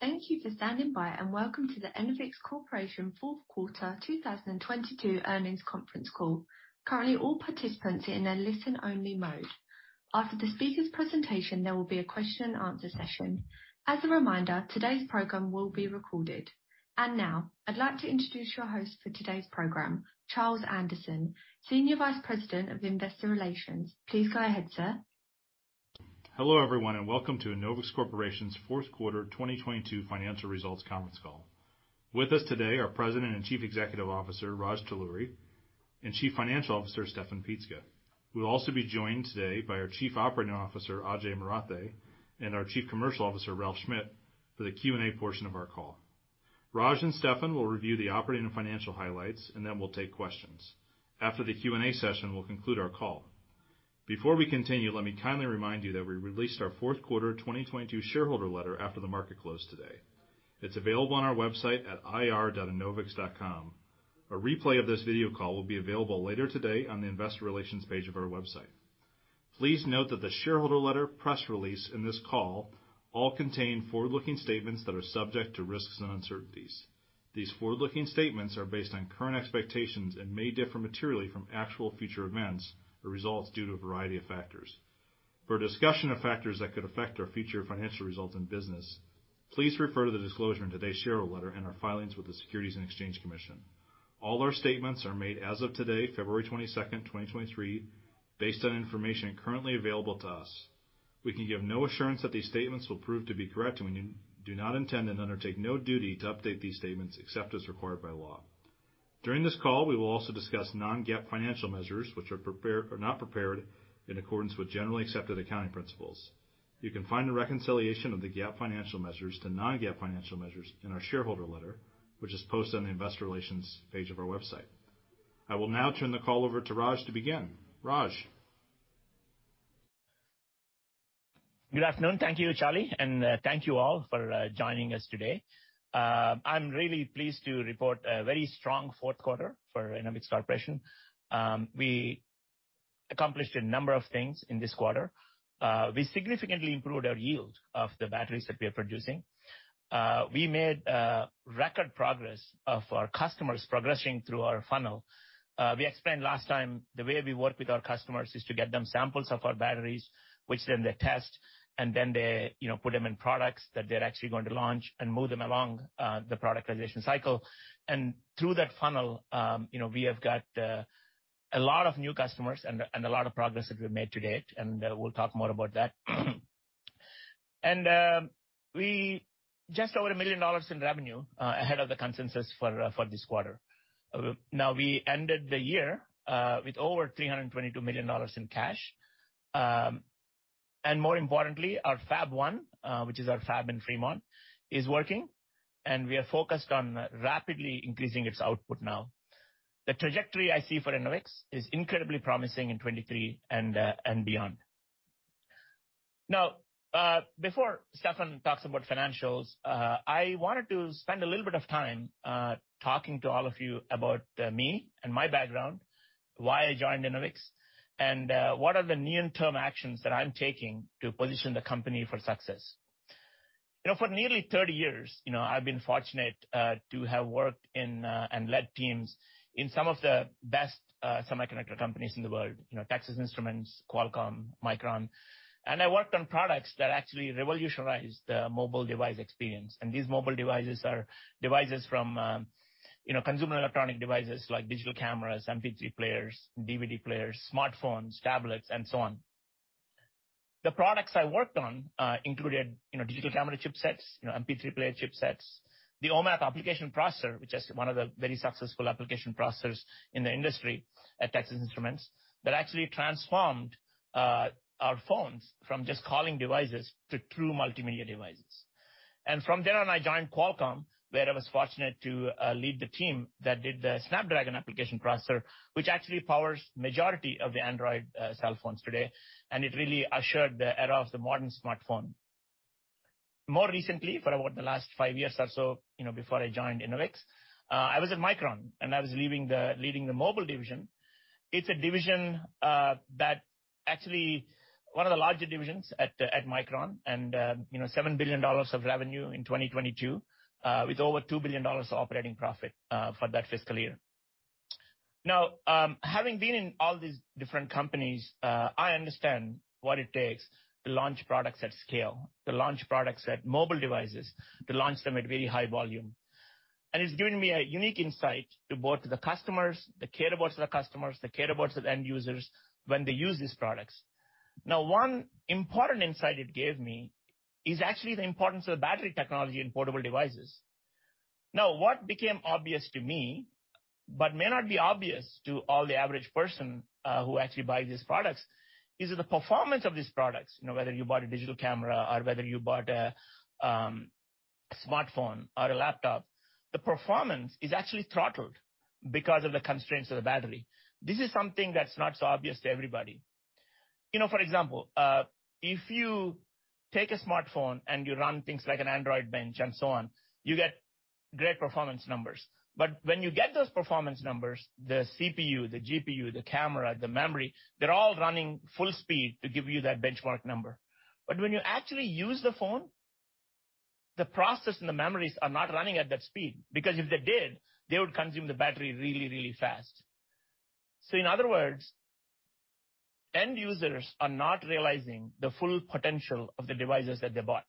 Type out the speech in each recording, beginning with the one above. Thank you for standing by. Welcome to the Enovix Corporation fourth quarter 2022 earnings conference call. Currently, all participants are in a listen-only mode. After the speaker's presentation, there will be a Q&A session. As a reminder, today's program will be recorded. Now, I'd like to introduce your host for today's program, Charlie Anderson, Senior Vice President of Investor Relations. Please go ahead, sir. Hello, everyone, and welcome to Enovix Corporation's fourth quarter 2022 financial results conference call. With us today are President and Chief Executive Officer, Raj Talluri, and Chief Financial Officer, Steffen Pietzke. We'll also be joined today by our Chief Operating Officer, Ajay Marathe, and our Chief Commercial Officer, Ralph Schmitt, for the Q&A portion of our call. Raj and Steffen will review the operating and financial highlights, and then we'll take questions. After the Q&A session, we'll conclude our call. Before we continue, let me kindly remind you that we released our fourth quarter 2022 shareholder letter after the market closed today. It's available on our website at ir.enovix.com. A replay of this video call will be available later today on the investor relations page of our website. Please note that the shareholder letter, press release, and this call all contain forward-looking statements that are subject to risks and uncertainties. These forward-looking statements are based on current expectations and may differ materially from actual future events or results due to a variety of factors. For a discussion of factors that could affect our future financial results and business, please refer to the disclosure in today's shareholder letter and our filings with the Securities and Exchange Commission. All our statements are made as of today, February 22nd, 2023, based on information currently available to us. We can give no assurance that these statements will prove to be correct, and we do not intend and undertake no duty to update these statements except as required by law. During this call, we will also discuss non-GAAP financial measures, which are not prepared in accordance with Generally Accepted Accounting Principles. You can find a reconciliation of the GAAP financial measures to non-GAAP financial measures in our shareholder letter, which is posted on the investor relations page of our website. I will now turn the call over to Raj to begin. Raj? Good afternoon. Thank you, Charlie Anderson, and thank you all for joining us today. I'm really pleased to report a very strong fourth quarter for Enovix Corporation. We accomplished a number of things in this quarter. We significantly improved our yield of the batteries that we are producing. We made record progress of our customers progressing through our funnel. We explained last time the way we work with our customers is to get them samples of our batteries, which then they test, and then they, you know, put them in products that they're actually going to launch and move them along the product realization cycle. Through that funnel, you know, we have got a lot of new customers and a lot of progress that we've made to date, and we'll talk more about that. Just over $1 million in revenue ahead of the consensus for this quarter. We ended the year with over $322 million in cash. More importantly, our Fab1, which is our Fab in Fremont, is working, and we are focused on rapidly increasing its output now. The trajectory I see for Enovix is incredibly promising in 2023 and beyond. Before Steffen talks about financials, I wanted to spend a little bit of time talking to all of you about me and my background, why I joined Enovix, and what are the near-term actions that I'm taking to position the company for success. You know, for nearly 30 years, you know, I've been fortunate to have worked in and led teams in some of the best semiconductor companies in the world. Texas Instruments, Qualcomm, Micron. I worked on products that actually revolutionized the mobile device experience. These mobile devices are devices from, you know, consumer electronic devices like digital cameras, MP3 players, DVD players, smartphones, tablets, and so on. The products I worked on included, you know, digital camera chipsets, you know, MP3 player chipsets, the OMAP application processor, which is one of the very successful application processors in the industry at Texas Instruments, that actually transformed our phones from just calling devices to true multimedia devices. From there on, I joined Qualcomm, where I was fortunate to lead the team that did the Snapdragon application processor, which actually powers majority of the Android cell phones today. It really ushered the era of the modern smartphone. More recently, for about the last five years or so, you know, before I joined Enovix, I was at Micron, and I was leading the mobile division. It's a division that actually one of the larger divisions at Micron and, you know, $7 billion of revenue in 2022, with over $2 billion of operating profit for that fiscal year. Now, having been in all these different companies, I understand what it takes to launch products at scale, to launch products at mobile devices, to launch them at very high volume. It's given me a unique insight to both the customers, the care about to the customers, the care about to the end users when they use these products. One important insight it gave me is actually the importance of battery technology in portable devices. What became obvious to me, but may not be obvious to all the average person who actually buys these products, is that the performance of these products, you know, whether you bought a digital camera or whether you bought a smartphone or a laptop, the performance is actually throttled because of the constraints of the battery. This is something that's not so obvious to everybody. You know, for example, if you take a smartphone and you run things like an Android Bench and so on, you get Great performance numbers. When you get those performance numbers, the CPU, the GPU, the camera, the memory, they're all running full speed to give you that benchmark number. When you actually use the phone, the process and the memories are not running at that speed, because if they did, they would consume the battery really, really fast. In other words, end users are not realizing the full potential of the devices that they bought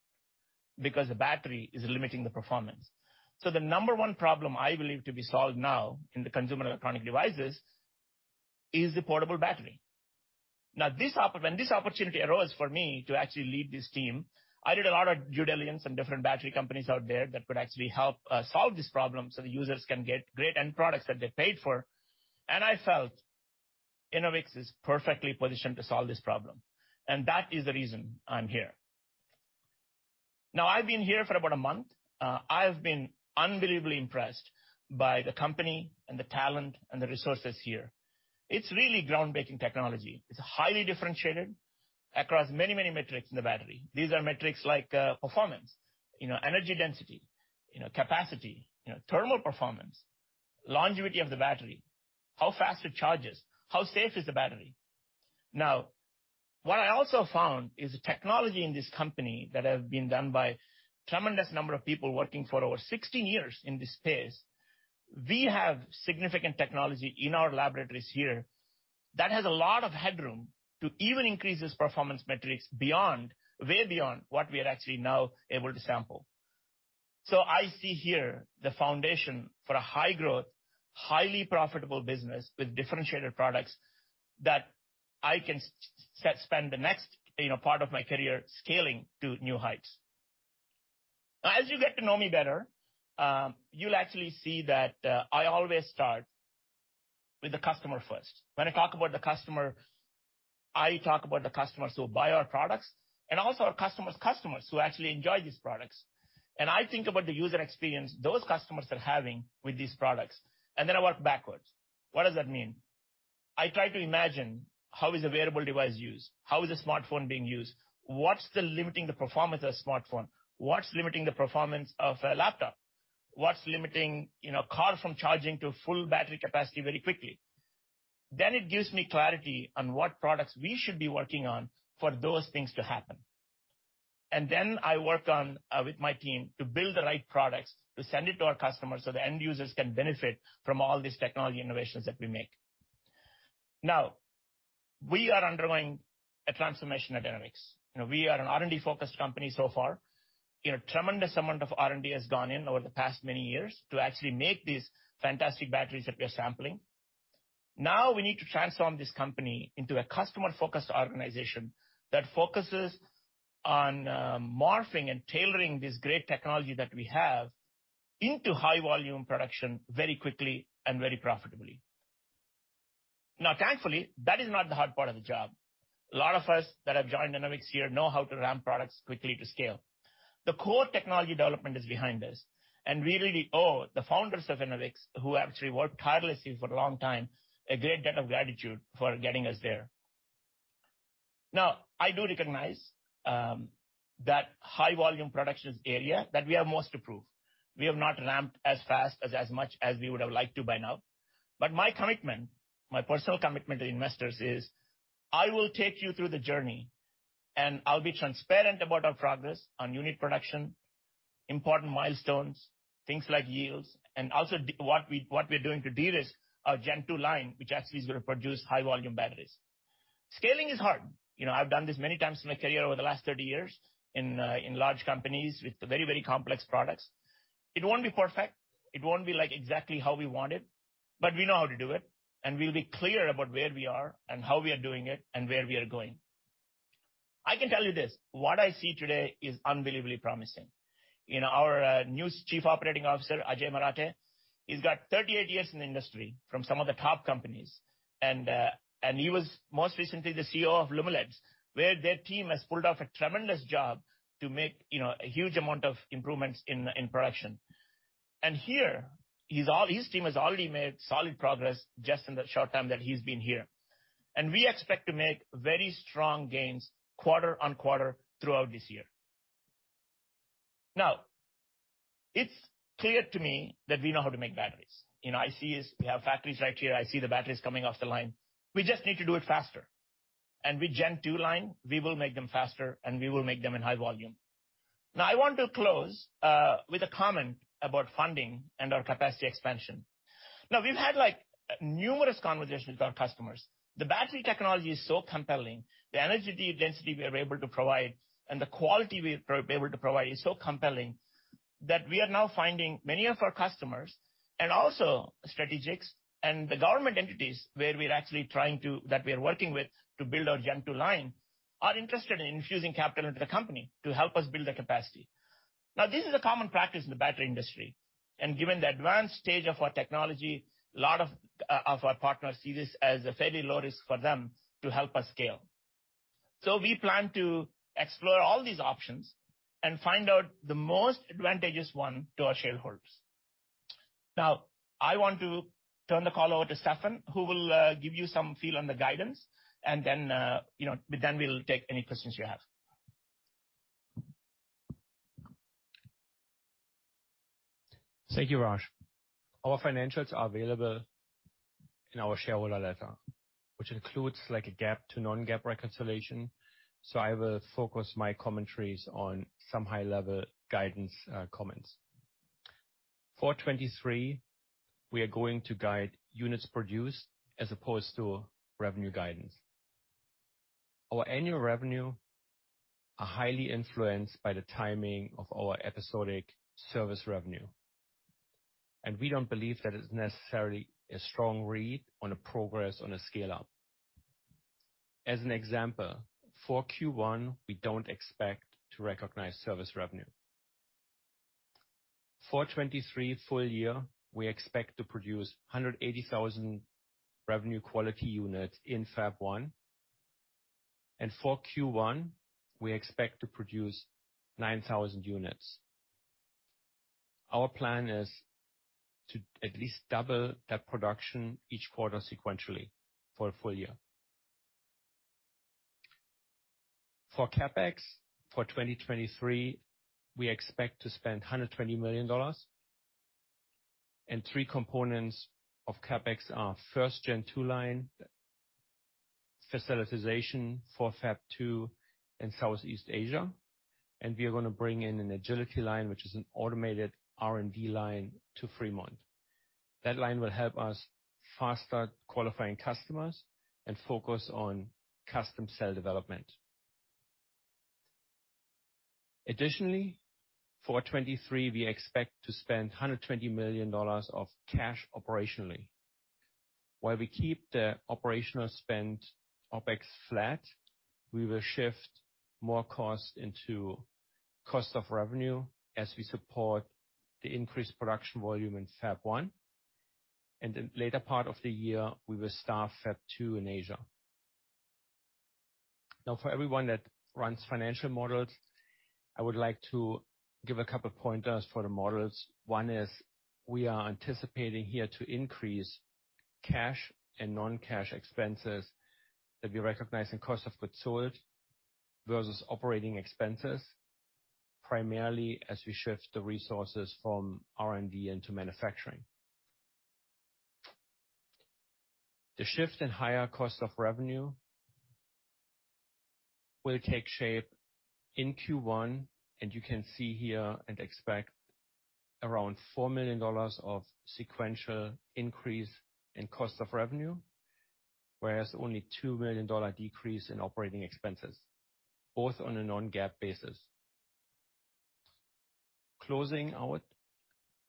because the battery is limiting the performance. The number one problem I believe to be solved now in the consumer electronic devices is the portable battery. When this opportunity arose for me to actually lead this team, I did a lot of due diligence on different battery companies out there that could actually help solve this problem so the users can get great end products that they paid for. I felt Enovix is perfectly positioned to solve this problem, and that is the reason I'm here. I've been here for about a month. I've been unbelievably impressed by the company and the talent and the resources here. It's really groundbreaking technology. It's highly differentiated across many metrics in the battery. These are metrics like performance, you know, energy density, you know, capacity, you know, thermal performance, longevity of the battery, how fast it charges, how safe is the battery. What I also found is the technology in this company that have been done by tremendous number of people working for over 16 years in this space. We have significant technology in our laboratories here that has a lot of headroom to even increase its performance metrics way beyond what we are actually now able to sample. I see here the foundation for a high-growth, highly profitable business with differentiated products that I can spend the next, you know, part of my career scaling to new heights. As you get to know me better, you'll actually see that I always start with the customer first. When I talk about the customer, I talk about the customers who buy our products and also our customers' customers who actually enjoy these products. I think about the user experience those customers are having with these products, and then I work backwards. What does that mean? I try to imagine how is a wearable device used? How is a smartphone being used? What's the limiting the performance of smartphone? What's limiting the performance of a laptop? What's limiting, you know, car from charging to full battery capacity very quickly? It gives me clarity on what products we should be working on for those things to happen. I work on with my team to build the right products to send it to our customers so the end users can benefit from all these technology innovations that we make. We are undergoing a transformation at Enovix. You know, we are an R&D-focused company so far. You know, tremendous amount of R&D has gone in over the past many years to actually make these fantastic batteries that we are sampling. We need to transform this company into a customer-focused organization that focuses on morphing and tailoring this great technology that we have into high volume production very quickly and very profitably. Thankfully, that is not the hard part of the job. A lot of us that have joined Enovix here know how to ramp products quickly to scale. The core technology development is behind us. We really owe the founders of Enovix, who actually worked tirelessly for a long time, a great debt of gratitude for getting us there. Now, I do recognize that high volume production area that we have more work to prove. We have not ramped as fast as much as we would have liked to by now. My commitment, my personal commitment to investors is I will take you through the journey, and I'll be transparent about our progress on unit production, important milestones, things like yields, and also what we're doing to de-risk our Gen2 line, which actually is gonna produce high volume batteries. Scaling is hard. You know, I've done this many times in my career over the last 30 years in large companies with very, very complex products. It won't be perfect, it won't be like exactly how we want it, but we know how to do it, and we'll be clear about where we are and how we are doing it and where we are going. I can tell you this: what I see today is unbelievably promising. You know, our new Chief Operating Officer, Ajay Marathe, he's got 38 years in the industry from some of the top companies. He was most recently the CEO of Lumileds, where their team has pulled off a tremendous job to make, you know, a huge amount of improvements in production. Here, he's his team has already made solid progress just in the short time that he's been here. We expect to make very strong gains quarter-on-quarter throughout this year. Now, it's clear to me that we know how to make batteries. You know, I see is we have factories right here. I see the batteries coming off the line. We just need to do it faster. With Gen2 line, we will make them faster, and we will make them in high volume. Now, I want to close with a comment about funding and our capacity expansion. Now, we've had, like, numerous conversations with our customers. The battery technology is so compelling. The energy density we are able to provide and the quality we are able to provide is so compelling that we are now finding many of our customers and also strategics and the government entities where we're that we are working with to build our Gen2 line, are interested in infusing capital into the company to help us build the capacity. This is a common practice in the battery industry, and given the advanced stage of our technology, a lot of our partners see this as a fairly low risk for them to help us scale. We plan to explore all these options and find out the most advantageous one to our shareholders. Now, I want to turn the call over to Steffen, who will give you some feel on the guidance and then, you know, then we'll take any questions you have. Thank you, Raj. Our financials are available in our shareholder letter, which includes like a GAAP to non-GAAP reconciliation. I will focus my commentaries on some high-level guidance comments. For 2023, we are going to guide units produced as opposed to revenue guidance. Our annual revenue are highly influenced by the timing of our episodic service revenue. We don't believe that it's necessarily a strong read on a progress on a scale-up. As an example, for Q1, we don't expect to recognize service revenue. For 2023 full year, we expect to produce 180,000 revenue quality units in Fab1. For Q1, we expect to produce 9,000 units. Our plan is to at least double that production each quarter sequentially for a full year. For CapEx, for 2023, we expect to spend $120 million. Three components of CapEx are first Gen2 line, facilitization for Fab2 in Southeast Asia. We are going to bring in an Agility Line, which is an automated R&D line to Fremont. That line will help us faster qualifying customers and focus on custom cell development. Additionally, for 23, we expect to spend $120 million of cash operationally. While we keep the operational spend OpEx flat, we will shift more cost into cost of revenue as we support the increased production volume in Fab1. In later part of the year, we will start Fab2 in Asia. Now, for everyone that runs financial models, I would like to give a couple of pointers for the models. One is we are anticipating here to increase cash and non-cash expenses that we recognize in cost of goods sold versus operating expenses, primarily as we shift the resources from R&D into manufacturing. The shift in higher cost of revenue will take shape in Q1, and you can see here and expect around $4 million of sequential increase in cost of revenue, whereas only $2 million decrease in operating expenses, both on a non-GAAP basis. Closing out,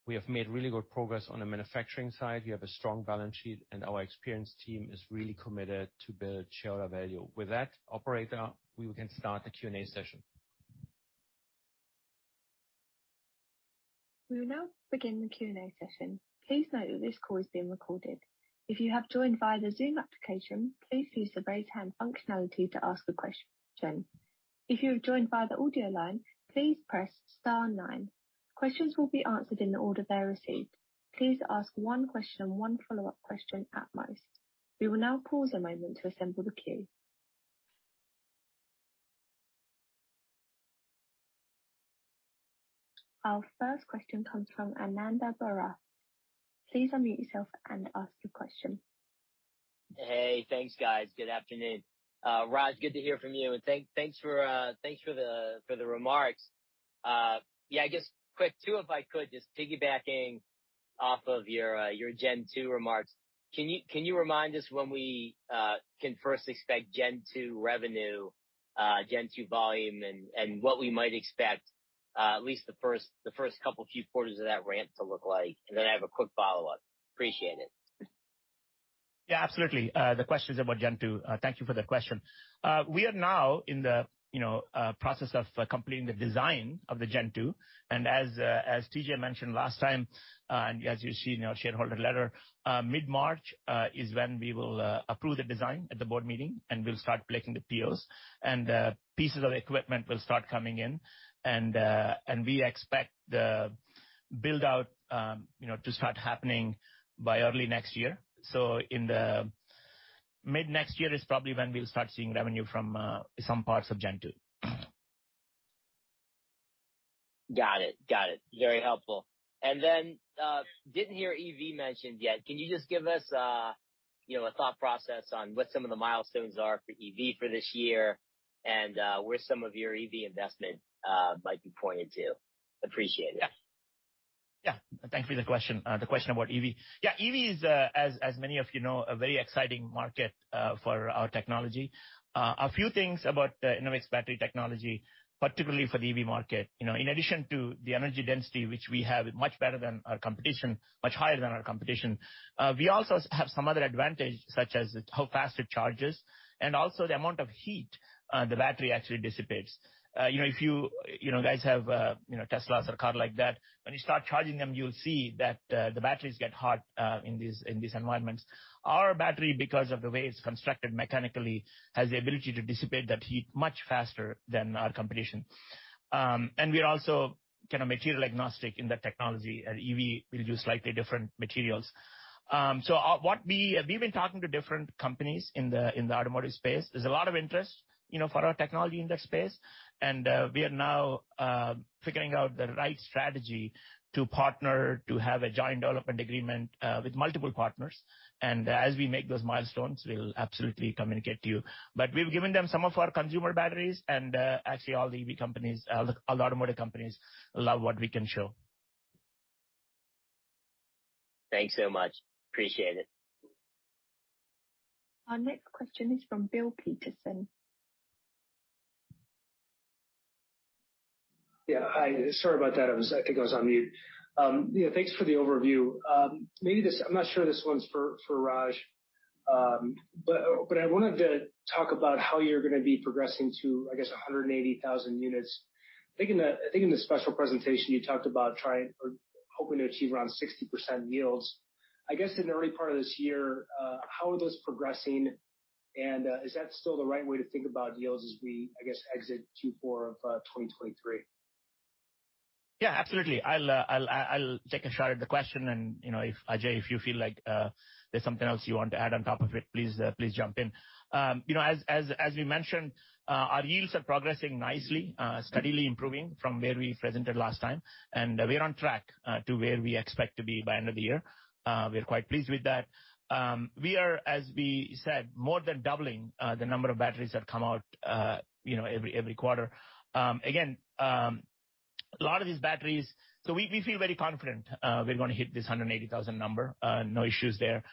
we have made really good progress on the manufacturing side. We have a strong balance sheet, and our experienced team is really committed to build shareholder value. With that, operator, we can start the Q&A session. We will now begin the Q&A session. Please note that this call is being recorded. If you have joined via the Zoom application, please use the raise hand functionality to ask a question. If you have joined via the audio line, please press star nine. Questions will be answered in the order they're received. Please ask one question and one follow-up question at most. We will now pause a moment to assemble the queue. Our first question comes from Ananda Baruah. Please unmute yourself and ask your question. Hey, thanks, guys. Good afternoon. Raj, good to hear from you. Thanks for, thanks for the remarks. Yeah, I guess quick two, if I could, just piggybacking off of your Gen2 remarks. Can you remind us when we, can first expect Gen2 revenue, Gen2 volume and what we might expect, at least the first couple of few quarters of that ramp to look like? I have a quick follow-up. Appreciate it. Yeah, absolutely. The question is about Gen2. Thank you for that question. We are now in the process of completing the design of the Gen2. As TJ mentioned last time, and as you see in our shareholder letter, mid-March is when we will approve the design at the board meeting, and we'll start placing the POs, and the pieces of equipment will start coming in. We expect the build-out to start happening by early next year. In the mid-next year is probably when we'll start seeing revenue from some parts of Gen2. Got it. Got it. Very helpful. Didn't hear EV mentioned yet. Can you just give us, you know, a thought process on what some of the milestones are for EV for this year and where some of your EV investment might be pointed to? Appreciate it. Yeah. Thank you for the question. The question about EV. EV is, as many of you know, a very exciting market for our technology. A few things about Enovix battery technology, particularly for the EV market. You know, in addition to the energy density, which we have much better than our competition, much higher than our competition, we also have some other advantage, such as how fast it charges and also the amount of heat the battery actually dissipates. You know, if you know, guys have, you know, Teslas or car like that, when you start charging them, you'll see that the batteries get hot in these environments. Our battery, because of the way it's constructed mechanically, has the ability to dissipate that heat much faster than our competition. We are also kind of material agnostic in the technology. An EV will use slightly different materials. We've been talking to different companies in the automotive space. There's a lot of interest, you know, for our technology in that space. We are now figuring out the right strategy to partner, to have a joint development agreement with multiple partners. As we make those milestones, we'll absolutely communicate to you. We've given them some of our consumer batteries, and actually all the EV companies, all the automotive companies love what we can show. Thanks so much. Appreciate it. Our next question is from Bill Peterson. Yeah. Hi. Sorry about that. I was, I think I was on mute. Yeah, thanks for the overview. Maybe, I'm not sure this one's for Raj. I wanted to talk about how you're gonna be progressing to, I guess, 180,000 units. I think in the special presentation you talked about trying or hoping to achieve around 60% yields. I guess in the early part of this year, how are those progressing, and is that still the right way to think about yields as we, I guess, exit Q4 of 2023? Yeah, absolutely. I'll take a shot at the question and, you know, if Ajay, if you feel like there's something else you want to add on top of it, please jump in. You know, as we mentioned, our yields are progressing nicely, steadily improving from where we presented last time. We're on track to where we expect to be by end of the year. We are quite pleased with that. We are, as we said, more than doubling the number of batteries that come out, you know, every quarter. Again, a lot of these batteries. We feel very confident, we're gonna hit this 180,000 number. No issues there.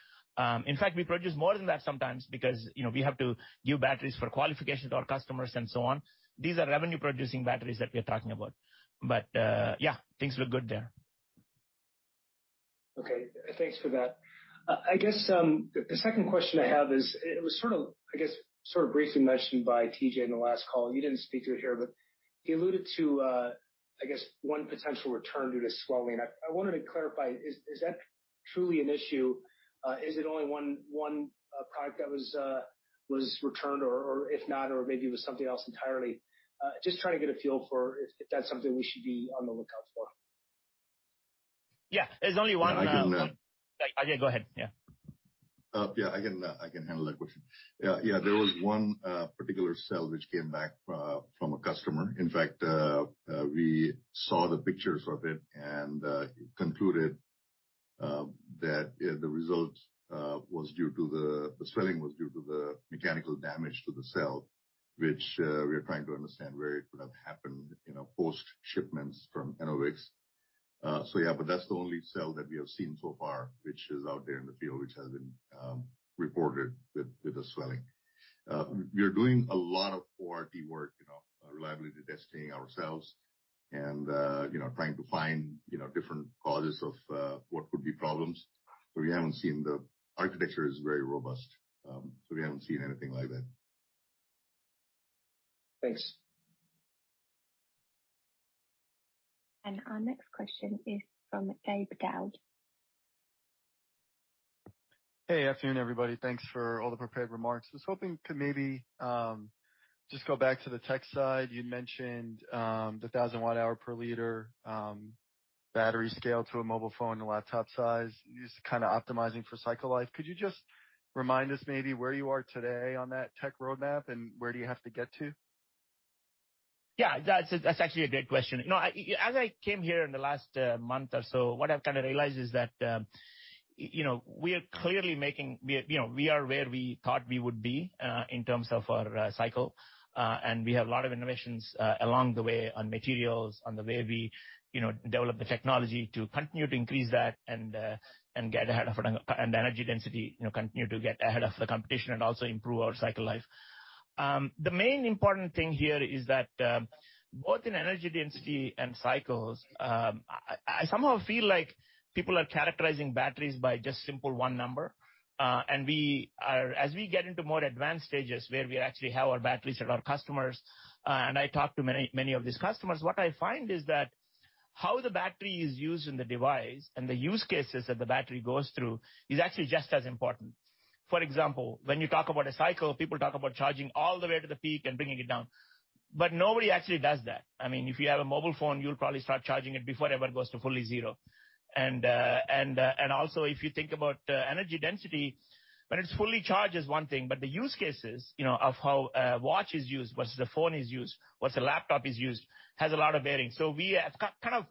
In fact, we produce more than that sometimes because, you know, we have to give batteries for qualification to our customers and so on. These are revenue producing batteries that we are talking about. Yeah, things look good there. Okay. Thanks for that. I guess, the second question I have is it was sort of, I guess, briefly mentioned by TJ in the last call, and you didn't speak to it here, but he alluded to, I guess one potential return due to swelling. I wanted to clarify, is that truly an issue? Is it only one product that was returned? If not or maybe it was something else entirely. Just trying to get a feel for if that's something we should be on the lookout for. Yeah. There's only one. I can. Ajay, go ahead. Yeah. Yeah, I can handle that question. Yeah. Yeah. There was one particular cell which came back from a customer. In fact, we saw the pictures of it and concluded that, yeah, the results was due to the... The swelling was due to the mechanical damage to the cell, which we are trying to understand where it could have happened, you know, post-shipments from Enovix. Yeah. But that's the only cell that we have seen so far, which is out there in the field, which has been reported with the swelling. We are doing a lot of QRT work, you know, reliability testing ourselves and, you know, trying to find, you know, different causes of what could be problems. We haven't seen the architecture is very robust, so we haven't seen anything like that. Thanks. Our next question is from Gabe Daoud. Hey, good afternoon, everybody. Thanks for all the prepared remarks. I was hoping to maybe just go back to the tech side. You'd mentioned the 1,000 Wh per liter battery scale to a mobile phone and laptop size. You're just kinda optimizing for cycle life. Could you just remind us maybe where you are today on that tech roadmap and where do you have to get to? Yeah. That's actually a great question. You know, I, as I came here in the last month or so, what I've kind of realized is that, you know, we are clearly where we thought we would be in terms of our cycle. We have a lot of innovations along the way on materials, on the way we, you know, develop the technology to continue to increase that and get ahead of it and energy density, you know, continue to get ahead of the competition and also improve our cycle life. The main important thing here is that, both in energy density and cycles, I somehow feel like people are characterizing batteries by just simple one number. As we get into more advanced stages where we actually have our batteries at our customers, and I talk to many, many of these customers, what I find is that how the battery is used in the device and the use cases that the battery goes through is actually just as important. For example, when you talk about a cycle, people talk about charging all the way to the peak and bringing it down, but nobody actually does that. I mean, if you have a mobile phone, you'll probably start charging it before ever it goes to fully zero. Also if you think about energy density, when it's fully charged is one thing, but the use cases, you know, of how a watch is used versus the phone is used, versus a laptop is used, has a lot of bearing. We have kind of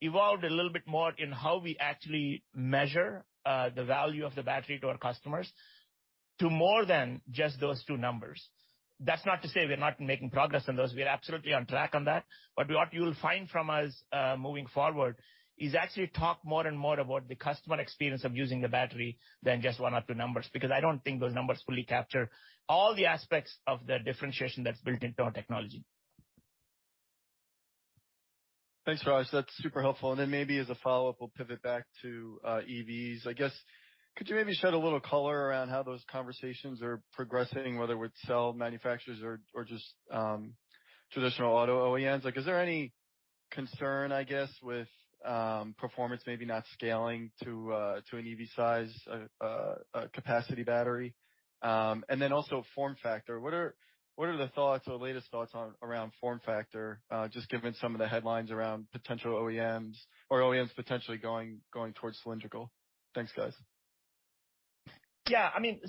evolved a little bit more in how we actually measure the value of the battery to our customers to more than just those two numbers. That's not to say we are not making progress on those. We are absolutely on track on that. What you'll find from us moving forward is actually talk more and more about the customer experience of using the battery than just one or two numbers, because I don't think those numbers fully capture all the aspects of the differentiation that's built into our technology. Thanks, Raj. That's super helpful. Then maybe as a follow-up, we'll pivot back to EVs. I guess, could you maybe shed a little color around how those conversations are progressing, whether with cell manufacturers or just traditional auto OEMs? Like, is there any concern, I guess, with performance maybe not scaling to an EV size capacity battery? Then also form factor. What are the thoughts or latest thoughts on around form factor, just given some of the headlines around potential OEMs or OEMs potentially going towards cylindrical? Thanks, guys. I mean,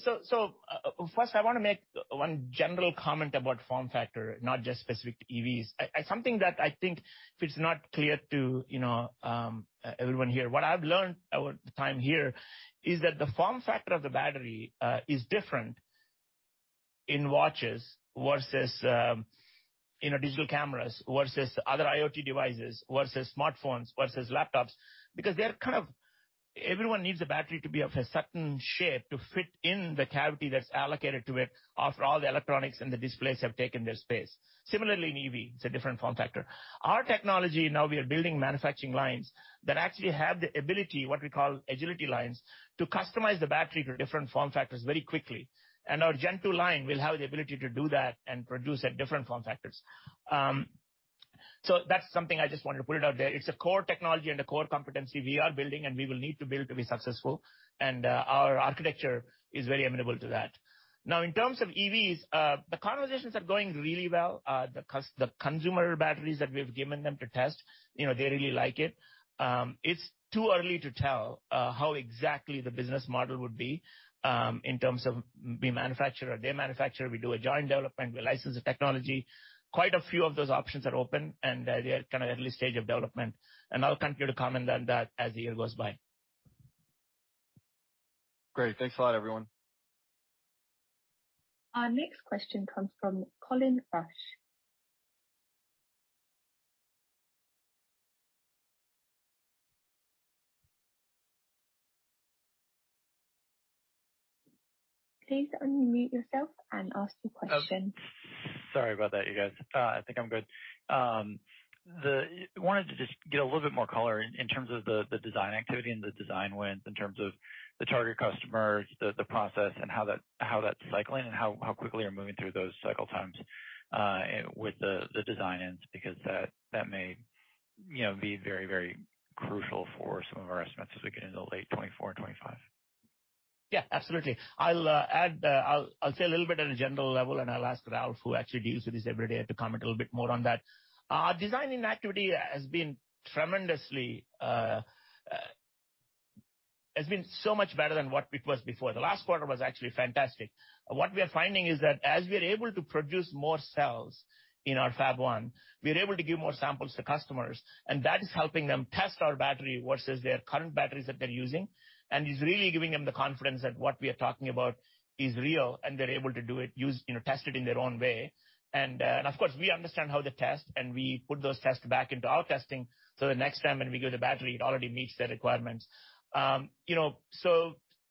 first I want to make one general comment about form factor, not just specific to EVs. Something that I think if it's not clear to, you know, everyone here, what I've learned over the time here is that the form factor of the battery is different in watches versus, you know, digital cameras versus other IoT devices versus smartphones versus laptops. Because everyone needs a battery to be of a certain shape to fit in the cavity that's allocated to it after all the electronics and the displays have taken their space. Similarly, in EV, it's a different form factor. Our technology now, we are building manufacturing lines that actually have the ability, what we call Agility Lines, to customize the battery to different form factors very quickly. Our Gen2 line will have the ability to do that and produce at different form factors. That's something I just wanted to put it out there. It's a core technology and a core competency we are building, and we will need to build to be successful. Our architecture is very amenable to that. In terms of EVs, the conversations are going really well. The consumer batteries that we've given them to test, you know, they really like it. It's too early to tell how exactly the business model would be in terms of we manufacture or they manufacture, we do a joint development, we license the technology. Quite a few of those options are open and they are kind of early stage of development. I'll continue to comment on that as the year goes by. Great. Thanks a lot, everyone. Our next question comes from Colin Rusch. Please unmute yourself and ask your question. Sorry about that, you guys. I think I'm good. Wanted to just get a little bit more color in terms of the design activity and the design wins, in terms of the target customers, the process and how that's cycling and how quickly you're moving through those cycle times with the design ins, because that may, you know, be very, very crucial for some of our estimates as we get into late 2024 and 2025. Yeah, absolutely. I'll add, I'll say a little bit at a general level, and I'll ask Ralph, who actually deals with this every day, to comment a little bit more on that. Our designing activity has been so much better than what it was before. The last quarter was actually fantastic. What we are finding is that as we are able to produce more cells in our Fab1, we are able to give more samples to customers, and that is helping them test our battery versus their current batteries that they're using. It's really giving them the confidence that what we are talking about is real and they're able to do it, use, you know, test it in their own way. Of course, we understand how they test, and we put those tests back into our testing, so the next time when we give the battery, it already meets their requirements. You know,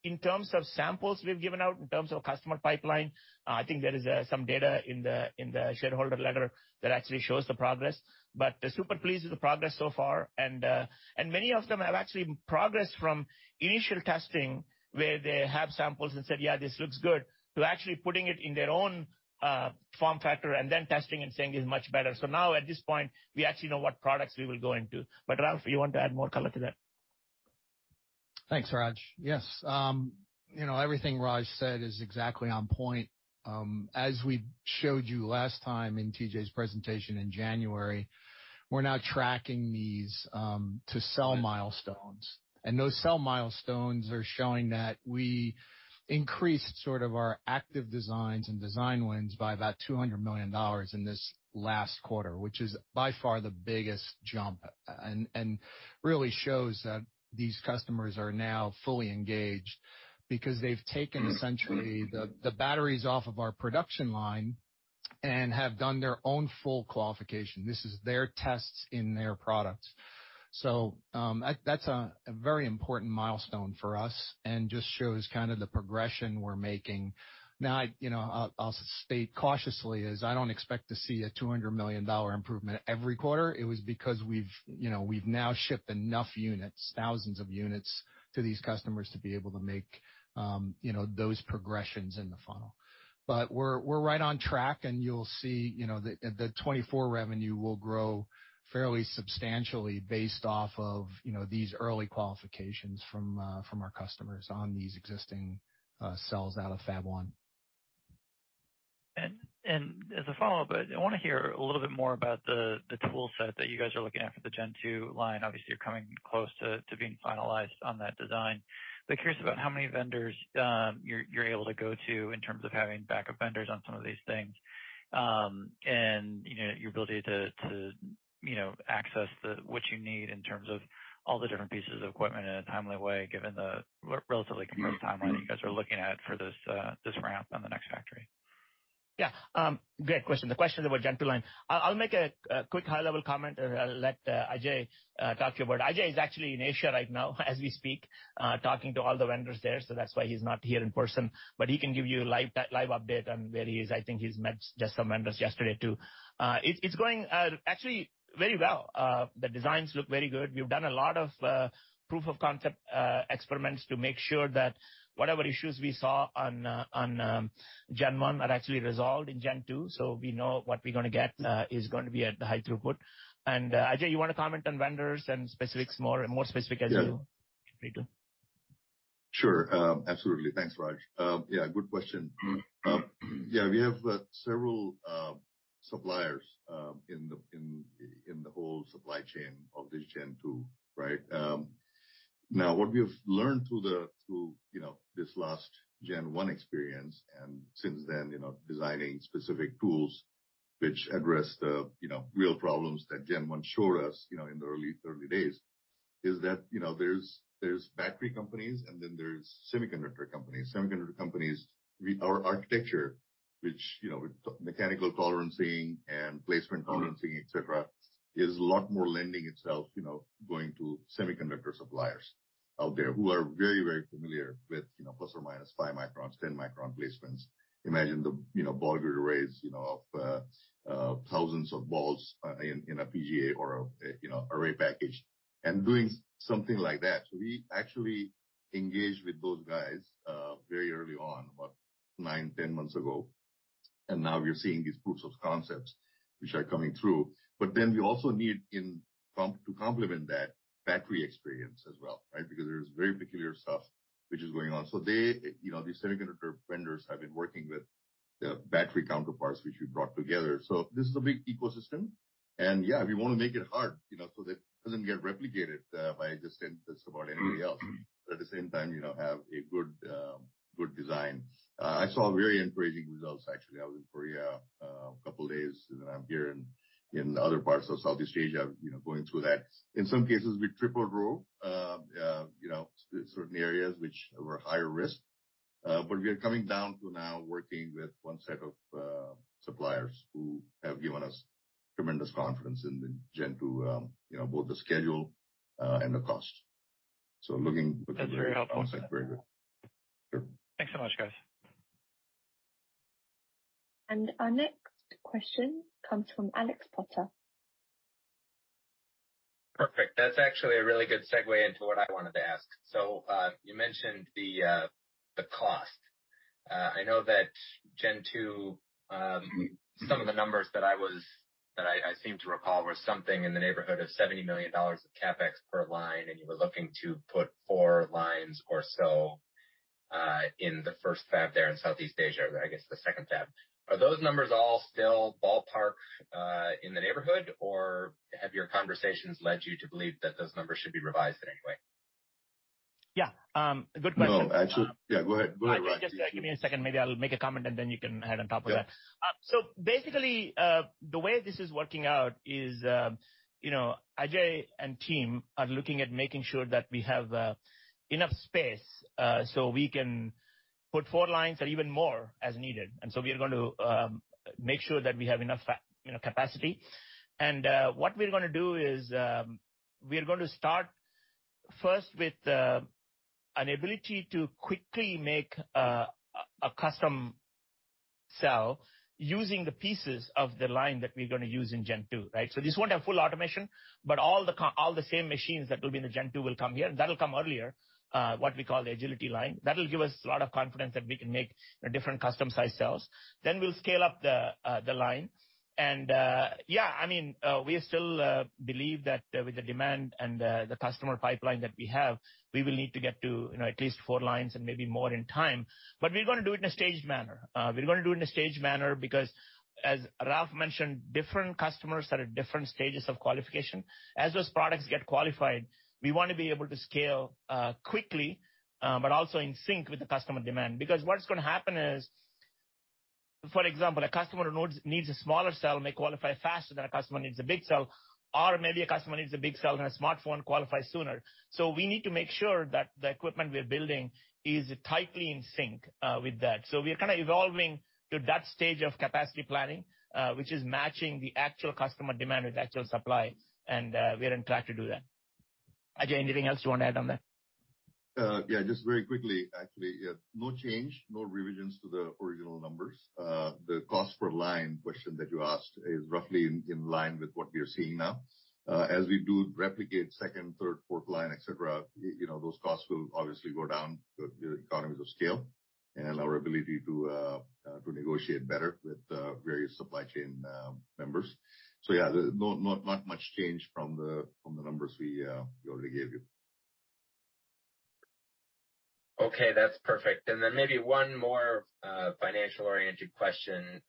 in terms of samples we've given out, in terms of customer pipeline, I think there is some data in the shareholder letter that actually shows the progress. Super pleased with the progress so far. Many of them have actually progressed from initial testing where they have samples and said, "Yeah, this looks good," to actually putting it in their own form factor and then testing and saying it's much better. Now at this point, we actually know what products we will go into. Ralph, you want to add more color to that? Thanks, Raj. Yes, you know, everything Raj said is exactly on point. As we showed you last time in TJ's presentation in January, we're now tracking these to sell milestones. Those sell milestones are showing that we increased sort of our active designs and design wins by about $200 million in this last quarter, which is by far the biggest jump and really shows that these customers are now fully engaged because they've taken essentially the batteries off of our production line and have done their own full qualification. This is their tests in their products. That's a very important milestone for us and just shows kind of the progression we're making. You know, I'll state cautiously is I don't expect to see a $200 million improvement every quarter. It was because we've, you know, we've now shipped enough units, thousands of units to these customers to be able to make, you know, those progressions in the funnel. We're right on track, and you'll see, you know, the 2024 revenue will grow fairly substantially based off of, you know, these early qualifications from our customers on these existing, cells out of Fab1. As a follow-up, I want to hear a little bit more about the tool set that you guys are looking at for the Gen2 line. Obviously, you're coming close to being finalized on that design. Curious about how many vendors you're able to go to in terms of having backup vendors on some of these things. You know, your ability to, you know, access what you need in terms of all the different pieces of equipment in a timely way, given the relatively compressed timeline you guys are looking at for this ramp on the next factory. Great question. The question about Gen2 line. I'll make a quick high-level comment, and I'll let Ajay talk to you about it. Ajay is actually in Asia right now as we speak, talking to all the vendors there, so that's why he's not here in person. He can give you a live update on where he is. I think he's met just some vendors yesterday too. It's going actually very well. The designs look very good. We've done a lot of proof of concept experiments to make sure that whatever issues we saw on Gen1 are actually resolved in Gen2. We know what we're gonna get is gonna be at the high throughput. Ajay, you want to comment on vendors and specifics more specific. Yeah. Free to. Sure. absolutely. Thanks, Raj. yeah, good question. yeah, we have several. Suppliers, in the whole supply chain of this Gen2, right? Now what we've learned through the, you know, this last Gen1 experience, and since then, you know, designing specific tools which address the, you know, real problems that Gen1 showed us, you know, in the early days, is that, you know, there's battery companies and then there's semiconductor companies. Semiconductor companies. Our architecture, which, you know, mechanical tolerancing and placement tolerancing, et cetera, is a lot more lending itself, you know, going to semiconductor suppliers out there who are very, very familiar with, you know, plus or minus five microns, 10 micron placements. Imagine the, you know, Ball Grid Array, you know, of thousands of balls in a PGA or, you know, array package and doing something like that. We actually engaged with those guys, very early on, about nine, 10 months ago, and now we are seeing these proofs of concepts which are coming through. We also need to complement that battery experience as well, right? Because there is very peculiar stuff which is going on. They, you know, these semiconductor vendors have been working with the battery counterparts which we brought together. This is a big ecosystem, yeah, we wanna make it hard, you know, so that it doesn't get replicated, by just saying this about anybody else, at the same time, you know, have a good design. I saw very encouraging results actually. I was in Korea, a couple days, and then I'm here in other parts of Southeast Asia, you know, going through that. In some cases we tripled row, you know, certain areas which were higher risk. We are coming down to now working with one set of suppliers who have given us tremendous confidence in the Gen2, you know, both the schedule and the cost. That's very helpful. Very good. Sure. Thanks so much, guys. Our next question comes from Alex Potter. Perfect. That's actually a really good segue into what I wanted to ask. You mentioned the cost. I know that Gen2, some of the numbers that I seem to recall were something in the neighborhood of $70 million of CapEx per line, and you were looking to put four lines or so in the Fab1 there in Southeast Asia, I guess the Fab2. Are those numbers all still ballpark in the neighborhood, or have your conversations led you to believe that those numbers should be revised in any way? Yeah, good question. No, actually. Yeah, go ahead. Go ahead, Raj. Just give me a second. Maybe I'll make a comment and then you can add on top of that. Yeah. Basically, you know, Ajay and team are looking at making sure that we have enough space so we can put four lines or even more as needed. We are going to make sure that we have enough you know, capacity. What we're gonna do is we are going to start first with an ability to quickly make a custom cell using the pieces of the line that we're gonna use in Gen2, right? This won't have full automation, but all the same machines that will be in the Gen2 will come here. That'll come earlier, what we call the Agility Line. That'll give us a lot of confidence that we can make different custom-sized cells. We'll scale up the line and, I mean, we still believe that with the demand and the customer pipeline that we have, we will need to get to, you know, at least four lines and maybe more in time. We're gonna do it in a staged manner. We're gonna do it in a staged manner because as Raj mentioned, different customers are at different stages of qualification. As those products get qualified, we wanna be able to scale quickly, but also in sync with the customer demand. What's gonna happen is, for example, a customer needs a smaller cell may qualify faster than a customer needs a big cell, or maybe a customer needs a big cell and a smartphone qualifies sooner. We need to make sure that the equipment we are building is tightly in sync with that. We are kind of evolving to that stage of capacity planning, which is matching the actual customer demand with actual supply, and we are on track to do that. Ajay, anything else you want to add on that? Yeah, just very quickly. Actually, no change, no revisions to the original numbers. The cost per line question that you asked is roughly in line with what we are seeing now. As we do replicate second, third, fourth line, et cetera, you know, those costs will obviously go down with economies of scale and our ability to negotiate better with various supply chain members. Yeah, not much change from the numbers we already gave you. Okay, that's perfect. Maybe one more, financial-oriented question,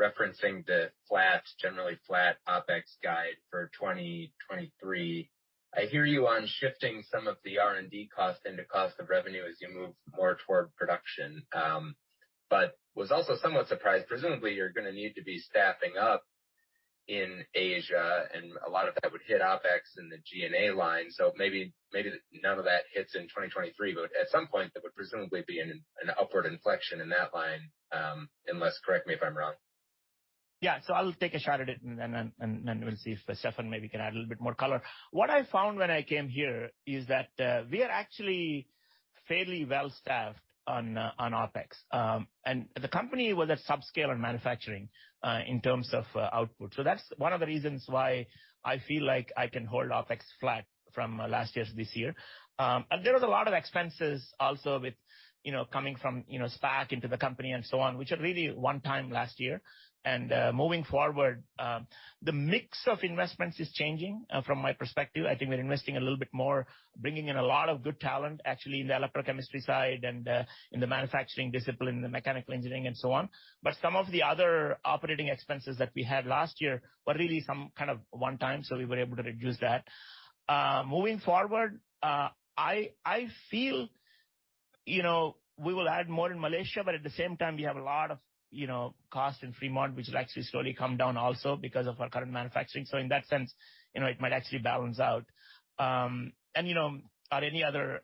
referencing the flat, generally flat OpEx guide for 2023. I hear you on shifting some of the R&D cost into cost of revenue as you move more toward production, was also somewhat surprised. Presumably, you're gonna need to be staffing up in Asia, and a lot of that would hit OpEx in the G&A line. Maybe, maybe none of that hits in 2023, but at some point, there would presumably be an upward inflection in that line, unless correct me if I'm wrong. I'll take a shot at it and then we'll see if Steffen maybe can add a little bit more color. What I found when I came here is that we are actually fairly well-staffed on OpEx. The company was at subscale on manufacturing in terms of output. That's one of the reasons why I feel like I can hold OpEx flat from last year to this year. There was a lot of expenses also with, you know, coming from, you know, SPAC into the company and so on, which are really one-time last year. Moving forward, the mix of investments is changing from my perspective. I think we're investing a little bit more, bringing in a lot of good talent, actually, in the electrochemistry side and in the manufacturing discipline, in the mechanical engineering, and so on. Some of the other operating expenses that we had last year were really some kind of one-time, so we were able to reduce that. Moving forward, I feel, you know, we will add more in Malaysia, but at the same time, we have a lot of, you know, cost in Fremont, which will actually slowly come down also because of our current manufacturing. In that sense, you know, it might actually balance out. You know, at any other,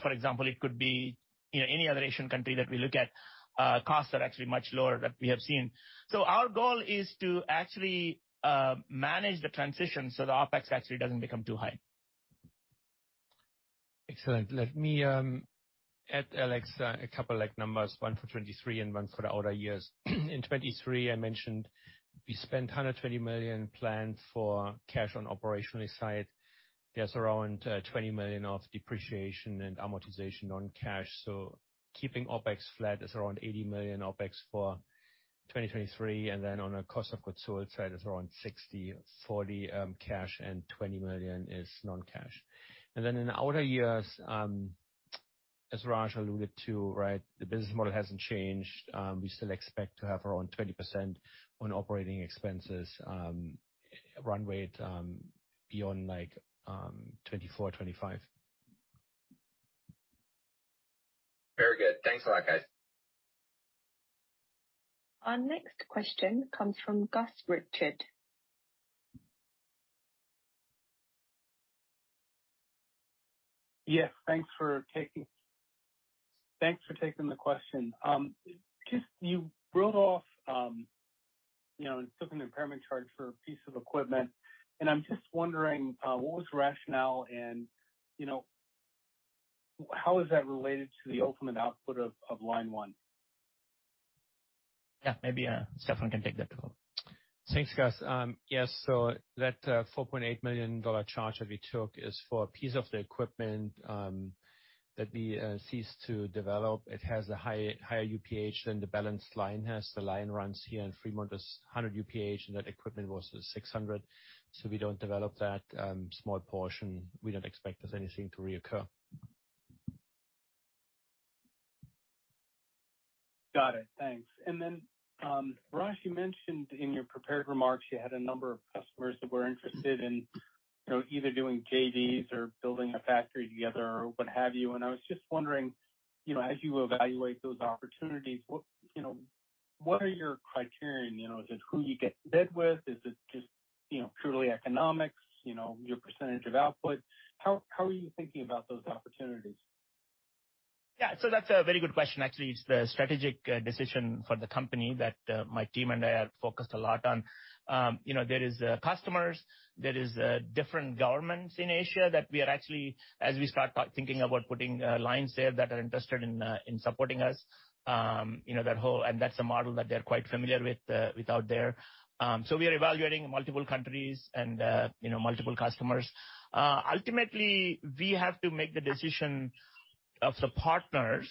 for example, it could be, you know, any other Asian country that we look at, costs are actually much lower that we have seen. Our goal is to actually manage the transition so the OpEx actually doesn't become too high. Excellent. Let me, add, Alex, a couple, like, numbers, one for 2023 and one for the outer years. In 2023, I mentioned we spent $120 million planned for cash on operationally side. There's around $20 million of depreciation and amortization on cash. Keeping OpEx flat is around $80 million OpEx for 2023. On a cost of goods sold side is around 60/40, cash, and $20 million is non-cash. In the outer years, as Raj alluded to, right, the business model hasn't changed. We still expect to have around 20% on operating expenses, runway at, beyond, like, 2024, 2025. Very good. Thanks a lot, guys. Our next question comes from Gus Richard. Yes, thanks for taking the question. Just you wrote off, you know, and took an impairment charge for a piece of equipment, and I'm just wondering, what was the rationale and, you know, how is that related to the ultimate output of line one? Yeah, maybe, Steffen can take that call. Thanks, Gus. Yes. That $4.8 million charge that we took is for a piece of the equipment that we ceased to develop. It has a high, higher UPH than the balanced line has. The line runs here in Fremont is 100 UPH, and that equipment was 600. We don't develop that small portion. We don't expect there's anything to reoccur. Got it. Thanks. Raj, you mentioned in your prepared remarks you had a number of customers that were interested in, you know, either doing JVs or building a factory together or what have you. I was just wondering, you know, as you evaluate those opportunities, what, you know, what are your criterion? You know, is it who you get to bed with? Is it just, you know, purely economics, you know, your percentage of output? How, how are you thinking about those opportunities? Yeah. That's a very good question. Actually, it's the strategic decision for the company that my team and I are focused a lot on. You know, there is customers, there is different governments in Asia that we are actually, as we start thinking about putting lines there that are interested in supporting us. You know, that's a model that they're quite familiar with, without there. We are evaluating multiple countries and, you know, multiple customers. Ultimately, we have to make the decision of the partners,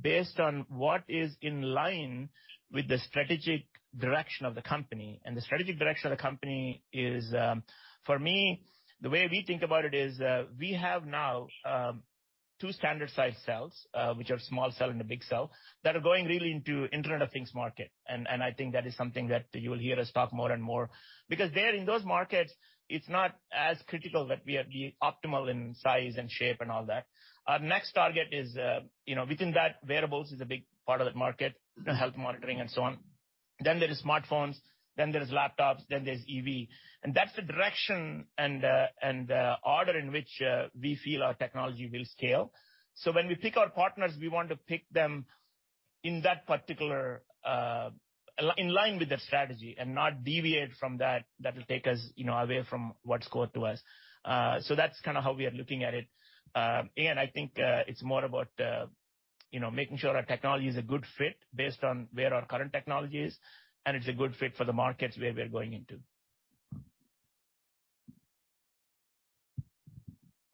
based on what is in line with the strategic direction of the company. The strategic direction of the company is, for me, the way we think about it is, we have now, two standard-sized cells, which are small cell and a big cell, that are going really into Internet of Things market. I think that is something that you will hear us talk more and more because there in those markets, it's not as critical that we are be optimal in size and shape and all that. Our next target is, you know, within that, wearables is a big part of that market, you know, health monitoring and so on. Then there is smartphones, then there's laptops, then there's EV. That's the direction and order in which, we feel our technology will scale. When we pick our partners, we want to pick them in that particular in line with that strategy and not deviate from that. That will take us, you know, away from what's core to us. That's kinda how we are looking at it. Again, I think, it's more about, you know, making sure our technology is a good fit based on where our current technology is, and it's a good fit for the markets where we're going into.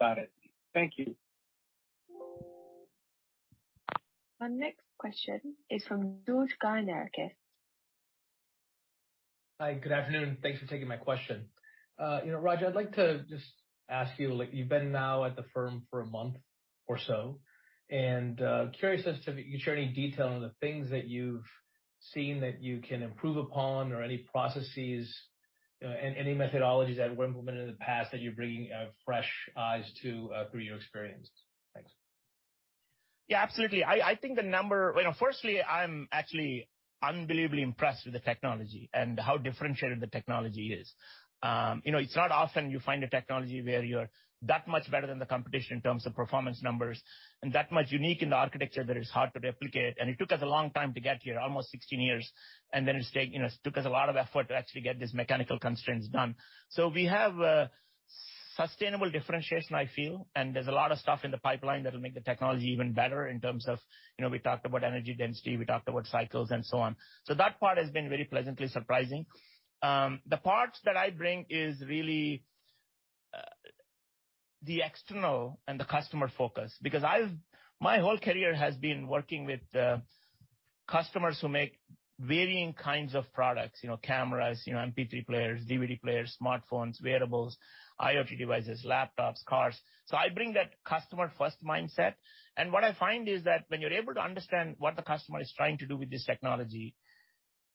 Got it. Thank you. Our next question is from George Gianarikas. Hi. Good afternoon. Thanks for taking my question. you know, Raj, I'd like to just ask you, like, you've been now at the firm for a month or so, and, curious as to if you could share any detail on the things that you've seen that you can improve upon or any processes, any methodologies that were implemented in the past that you're bringing, fresh eyes to, through your experience. Thanks. Yeah, absolutely. I think, you know, firstly, I'm actually unbelievably impressed with the technology and how differentiated the technology is. You know, it's not often you find a technology where you're that much better than the competition in terms of performance numbers and that much unique in the architecture that is hard to replicate. It took us a long time to get here, almost 16 years. You know, it took us a lot of effort to actually get these mechanical constraints done. We have sustainable differentiation, I feel, and there's a lot of stuff in the pipeline that will make the technology even better in terms of, you know, we talked about energy density, we talked about cycles, and so on. That part has been very pleasantly surprising. The parts that I bring is really the external and the customer focus. Because I've my whole career has been working with customers who make varying kinds of products, you know, cameras, you know, MP3 players, DVD players, smartphones, wearables, IoT devices, laptops, cars. I bring that customer-first mindset. What I find is that when you're able to understand what the customer is trying to do with this technology,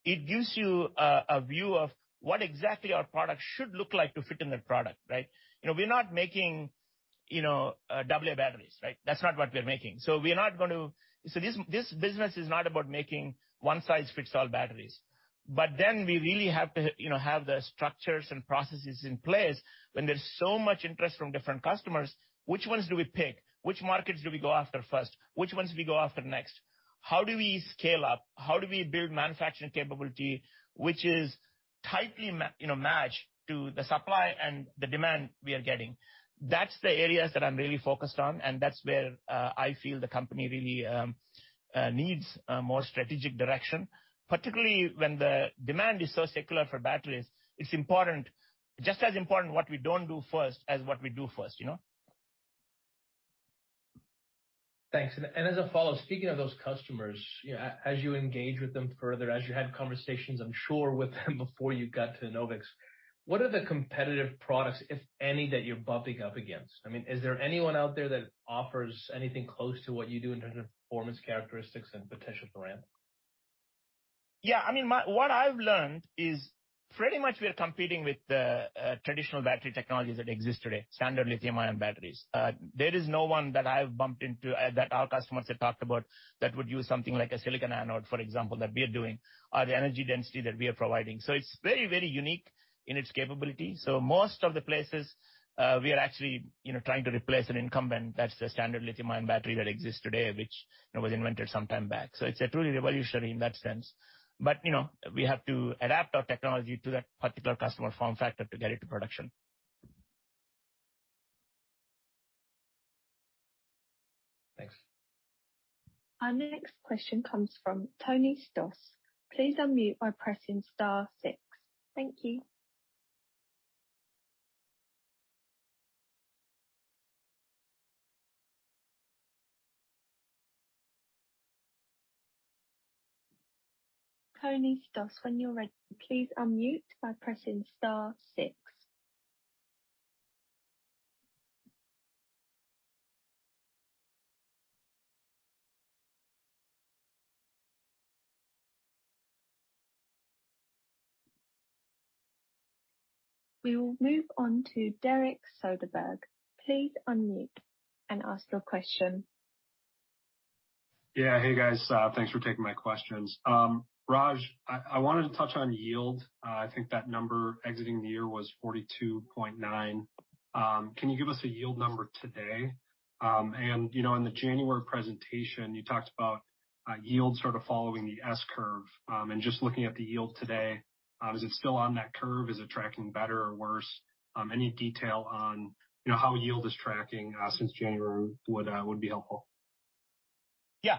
it gives you a view of what exactly our product should look like to fit in their product, right? You know, we're not making, you know, AA batteries, right? That's not what we are making. This business is not about making one-size-fits-all batteries. We really have to, you know, have the structures and processes in place. When there's so much interest from different customers, which ones do we pick? Which markets do we go after first? Which ones do we go after next? How do we scale up? How do we build manufacturing capability, which is tightly you know, matched to the supply and the demand we are getting? That's the areas that I'm really focused on. That's where I feel the company really needs more strategic direction. Particularly when the demand is so secular for batteries, it's important, just as important what we don't do first as what we do first, you know? Thanks. As a follow-up, speaking of those customers, you know, as you engage with them further, as you had conversations, I'm sure, with them before you got to Enovix, what are the competitive products, if any, that you're bumping up against? I mean, is there anyone out there that offers anything close to what you do in terms of performance characteristics and potential for ramp? I mean, what I've learned is pretty much we are competing with the traditional battery technologies that exist today, standard lithium-ion batteries. There is no one that I've bumped into that our customers have talked about that would use something like a silicon anode, for example, that we are doing or the energy density that we are providing. It's very, very unique in its capability. Most of the places, we are actually, you know, trying to replace an incumbent that's the standard lithium-ion battery that exists today, which, you know, was invented some time back. It's truly revolutionary in that sense. You know, we have to adapt our technology to that particular customer form factor to get it to production. Thanks. Our next question comes from Anthony Stoss. Please unmute by pressing star six. Thank you. Anthony Stoss, when you're ready, please unmute by pressing star six. We will move on to Derek Soderberg. Please unmute and ask your question. Yeah. Hey, guys. Thanks for taking my questions. Raj, I wanted to touch on yield. I think that number exiting the year was 42.9. Can you give us a yield number today? You know, in the January presentation, you talked about yield sort of following the S-curve. Just looking at the yield today, is it still on that curve? Is it tracking better or worse? Any detail on, you know, how yield is tracking since January would be helpful. Yeah.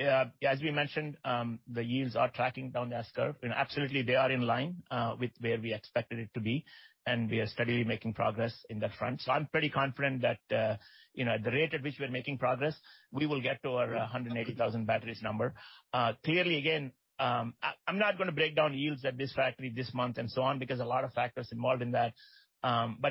As we mentioned, the yields are tracking down the S-curve, and absolutely, they are in line, with where we expected it to be, and we are steadily making progress in that front. I'm pretty confident that, you know, at the rate at which we are making progress, we will get to our 180,000 batteries number. Clearly, again, I'm not gonna break down yields at this factory this month and so on, because a lot of factors involved in that.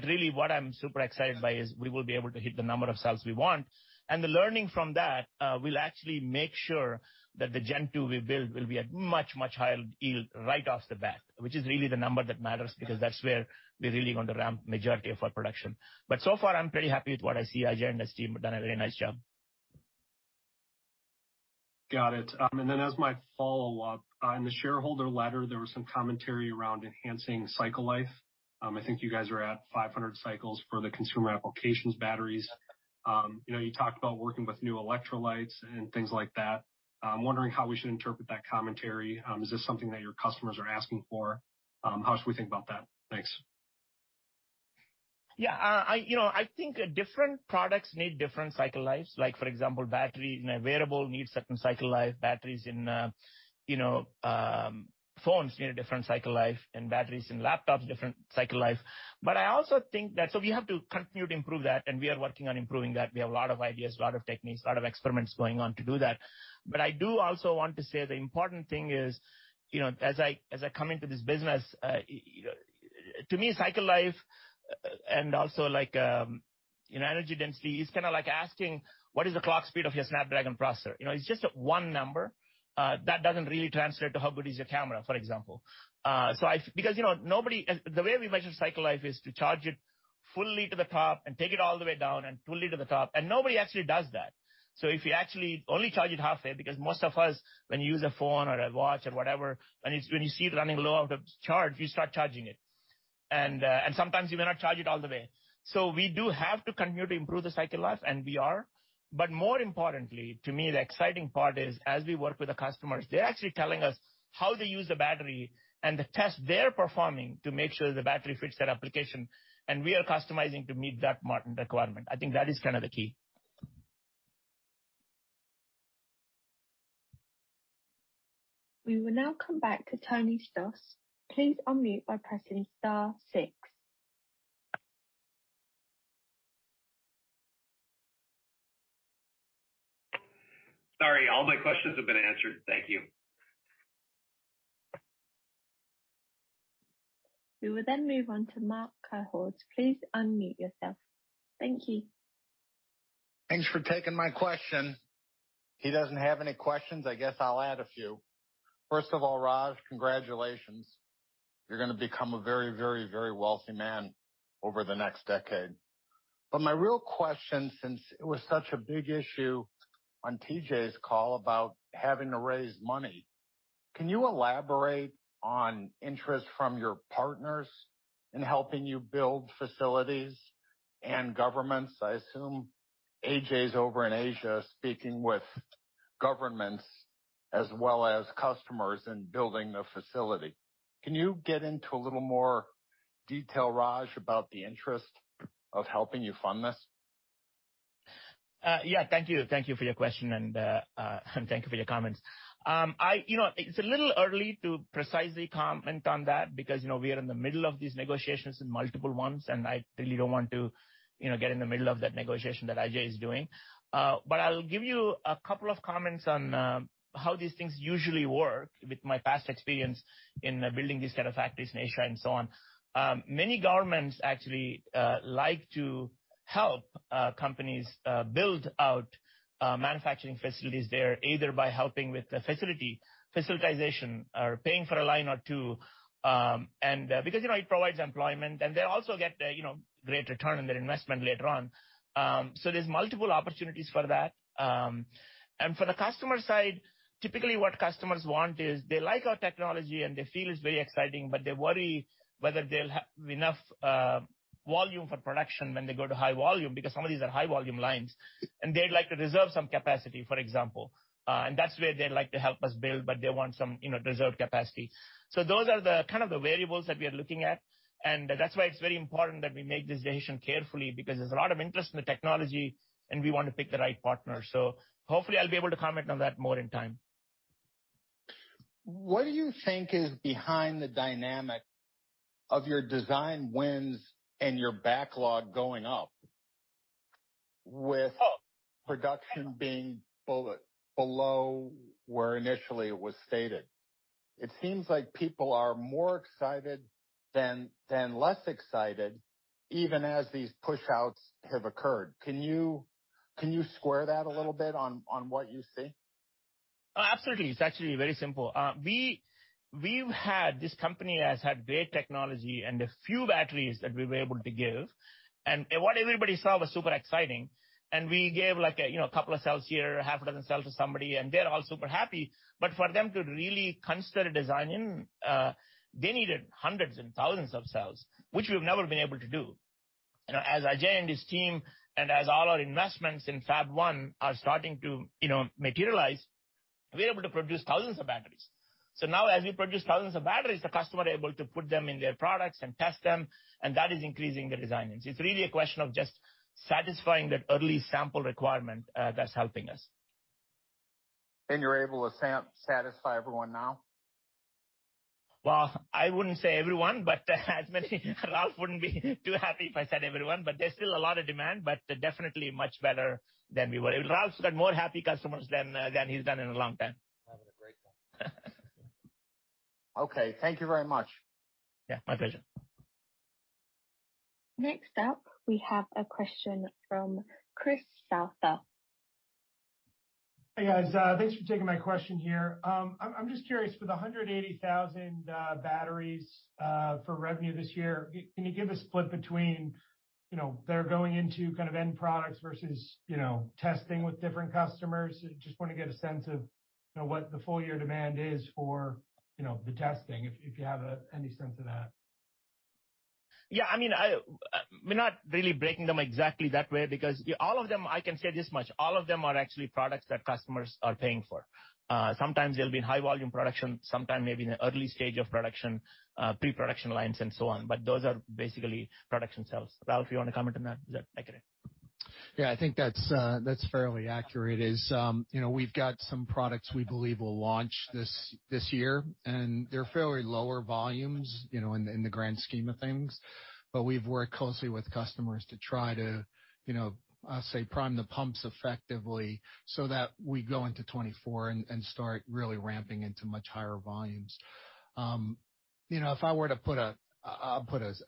Really, what I'm super excited by is we will be able to hit the number of cells we want. The learning from that, will actually make sure that the Gen2 we build will be at much, much higher yield right off the bat, which is really the number that matters because that's where we're really gonna ramp majority of our production. So far, I'm pretty happy with what I see. Ajay and his team have done a very nice job. Got it. As my follow-up, on the shareholder letter, there was some commentary around enhancing cycle life. I think you guys are at 500 cycles for the consumer applications batteries. You know, you talked about working with new electrolytes and things like that. I'm wondering how we should interpret that commentary. Is this something that your customers are asking for? How should we think about that? Thanks. Yeah. You know, I think different products need different cycle lives. Like for example, battery in a wearable needs certain cycle life, batteries in, you know, phones need a different cycle life, and batteries in laptops, different cycle life. We have to continue to improve that, and we are working on improving that. We have a lot of ideas, a lot of techniques, a lot of experiments going on to do that. I do also want to say the important thing is, you know, as I come into this business, you know, to me, cycle life, and also like, you know, energy density is kinda like asking, what is the clock speed of your Snapdragon processor? You know, it's just one number. That doesn't really translate to how good is your camera, for example. Because, you know, nobody. The way we measure cycle life is to charge it fully to the top and take it all the way down and fully to the top, and nobody actually does that. If you actually only charge it halfway, because most of us, when you use a phone or a watch or whatever, when you see it running low out of charge, you start charging it. Sometimes you may not charge it all the way. We do have to continue to improve the cycle life, and we are. More importantly, to me, the exciting part is as we work with the customers, they're actually telling us how they use the battery and the test they're performing to make sure the battery fits their application, and we are customizing to meet that requirement. I think that is kind of the key. We will now come back to Anthony Stoss. Please unmute by pressing star six. Sorry, all my questions have been answered. Thank you. We will then move on to Marc Cohodes. Please unmute yourself. Thank you. Thanks for taking my question. He doesn't have any questions, I guess I'll add a few. First of all, Raj, congratulations. You're gonna become a very, very, very wealthy man over the next decade. My real question, since it was such a big issue on TJ's call about having to raise money, can you elaborate on interest from your partners in helping you build facilities and governments? I assume Ajay's over in Asia speaking with governments as well as customers in building a facility. Can you get into a little more detail, Raj, about the interest of helping you fund this? Yeah. Thank you. Thank you for your question, and thank you for your comments. You know, it's a little early to precisely comment on that because, you know, we are in the middle of these negotiations and multiple ones, and I really don't want to, you know, get in the middle of that negotiation that Ajay is doing. I'll give you a couple of comments on how these things usually work with my past experience in building these set of factories in Asia and so on. Many governments actually like to help companies build out manufacturing facilities there, either by helping with the facility, facilitization or paying for a line or two. Because, you know, it provides employment, and they also get a, you know, great return on their investment later on. There's multiple opportunities for that. For the customer side, typically what customers want is they like our technology and they feel it's very exciting, but they worry whether they'll have enough volume for production when they go to high volume, because some of these are high volume lines. They like to reserve some capacity, for example. That's where they like to help us build, but they want some, you know, reserved capacity. Those are the kind of the variables that we are looking at, and that's why it's very important that we make this decision carefully because there's a lot of interest in the technology, and we want to pick the right partner. Hopefully I'll be able to comment on that more in time. What do you think is behind the dynamic of your design wins and your backlog going up with production being below where initially it was stated? It seems like people are more excited than less excited, even as these push outs have occurred. Can you square that a little bit on what you see? Absolutely. It's actually very simple. We've had...This company has had great technology and a few batteries that we were able to give, and what everybody saw was super exciting. We gave, like, a, you know, couple of cells here, half a dozen cells to somebody, and they're all super happy. For them to really consider designing, they needed hundreds and thousands of cells, which we've never been able to do. You know, as Ajay and his team and as all our investments in Fab1 are starting to, you know, materialize, we're able to produce thousands of batteries. Now as we produce thousands of batteries, the customer are able to put them in their products and test them, and that is increasing the design. It's really a question of just satisfying that early sample requirement, that's helping us. You're able to satisfy everyone now? I wouldn't say everyone, but as many Ralph wouldn't be too happy if I said everyone. There's still a lot of demand, but definitely much better than we were. Ralph's got more happy customers than he's done in a long time. Okay. Thank you very much. Yeah, my pleasure. Next up, we have a question from Christopher Souther. Hey, guys. Thanks for taking my question here. I'm just curious, with the 180,000 batteries for revenue this year, can you give a split between, you know, they're going into kind of end products versus, you know, testing with different customers? Just wanna get a sense of, you know, what the full year demand is for, you know, the testing, if you have any sense of that. Yeah. I mean, I, we're not really breaking them exactly that way because all of them, I can say this much, all of them are actually products that customers are paying for. Sometimes they'll be in high volume production, sometime maybe in the early stage of production, pre-production lines and so on. Those are basically production cells. Ralph, you wanna comment on that? Is that accurate? Yeah. I think that's fairly accurate. Is, you know, we've got some products we believe will launch this year, and they're fairly lower volumes, you know, in the, in the grand scheme of things. We've worked closely with customers to try to, you know, say prime the pumps effectively so that we go into 2024 and start really ramping into much higher volumes. You know, if I were to put a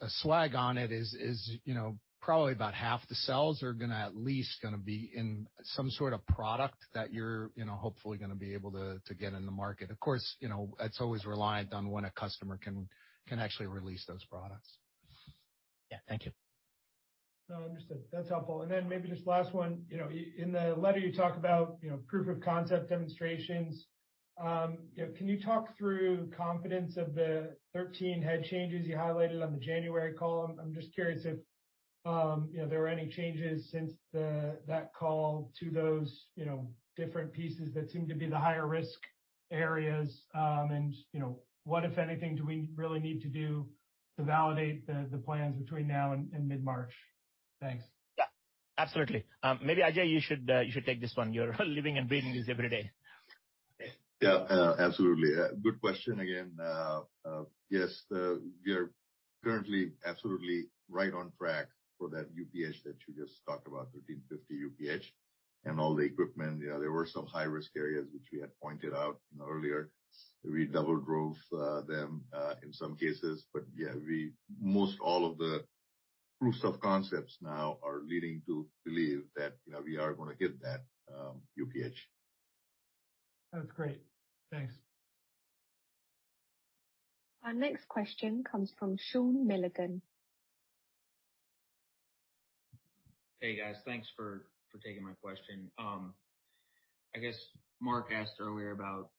slight on it is, you know, probably about half the cells are gonna at least be in some sort of product that you're, you know, hopefully gonna be able to get in the market. Of course, you know, it's always reliant on when a customer can actually release those products. Yeah. Thank you. No, understood. That's helpful. And then maybe just last one. You know, in the letter you talk about, you know, proof of concept demonstrations. You know, can you talk through confidence of the 13 head changes you highlighted on the January call? I'm just curious if, you know, there were any changes since the, that call to those, you know, different pieces that seem to be the higher risk areas. And, you know, what, if anything, do we really need to do to validate the plans between now and mid-March? Thanks. Absolutely. Maybe Ajay, you should take this one. You're living and breathing this every day. Absolutely. Good question again. Yes, we are currently absolutely right on track for that UPH that you just talked about, 1350 UPH, and all the equipment. There were some high-risk areas which we had pointed out, you know, earlier. We double drove them in some cases. Most all of the proofs of concepts now are leading to believe that, you know, we are gonna get that UPH. That's great. Thanks. Our next question comes from Sean Milligan. Hey, guys. Thanks for taking my question. I guess Marc asked earlier about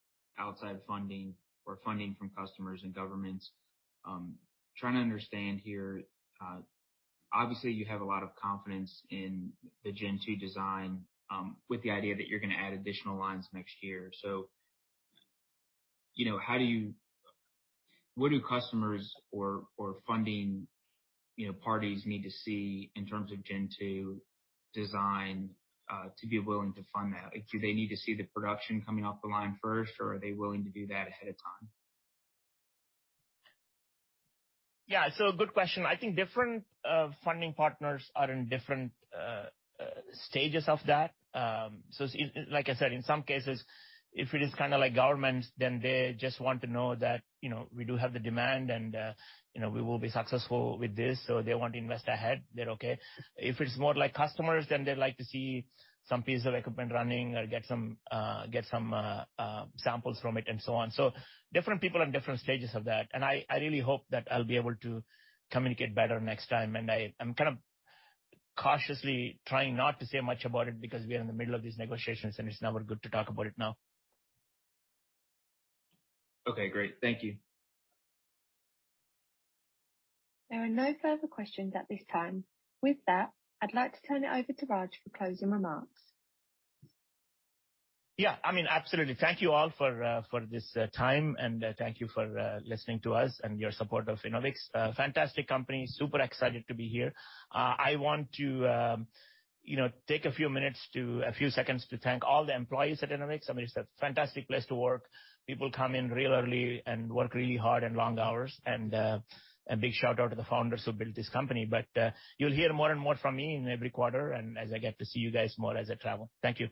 outside funding or funding from customers and governments. Trying to understand here, obviously you have a lot of confidence in the Gen2 design, with the idea that you're gonna add additional lines next year. You know, what do customers or funding, you know, parties need to see in terms of Gen2 design, to be willing to fund that? Do they need to see the production coming off the line first, or are they willing to do that ahead of time? Yeah. Good question. I think different funding partners are in different stages of that. Like I said, in some cases, if it is kinda like governments, then they just want to know that, you know, we do have the demand and, you know, we will be successful with this, they want to invest ahead. They're okay. If it's more like customers, then they'd like to see some piece of equipment running or get some samples from it and so on. Different people have different stages of that, and I really hope that I'll be able to communicate better next time. I'm kind of cautiously trying not to say much about it because we are in the middle of these negotiations, and it's never good to talk about it now. Okay, great. Thank you. There are no further questions at this time. With that, I'd like to turn it over to Raj for closing remarks. Yeah, I mean, absolutely. Thank you all for this, time, and thank you for, listening to us and your support of Enovix. Fantastic company. Super excited to be here. I want to, you know, take a few seconds to thank all the employees at Enovix. I mean, it's a fantastic place to work. People come in real early and work really hard and long hours. A big shout-out to the founders who built this company. You'll hear more and more from me in every quarter and as I get to see you guys more as I travel. Thank you.